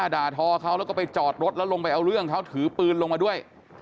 ด่าทอเขาแล้วก็ไปจอดรถแล้วลงไปเอาเรื่องเขาถือปืนลงมาด้วย